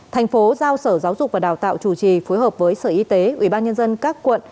thành phố giao sở giáo dục và đào tạo chủ trì phối hợp với sở y tế ủy ban nhân dân các quận